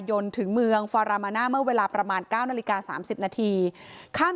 จนถึงเมืองฟารามาน่าเมื่อเวลาประมาณ๙นาฬิกา๓๐นาทีข้าม